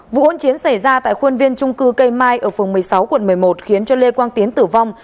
vụ hôn chiến xảy ra tại khuôn viên trung cư cây mai ở phường một mươi sáu quận một mươi một khiến cho lê quang tiến tử vong